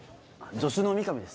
助手の美神です。